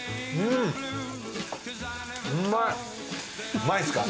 うまいっすか？